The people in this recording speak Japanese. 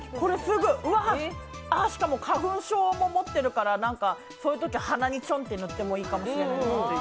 しかも花粉症も持ってるから、鼻にちょんと塗ってもいいかもしれないです。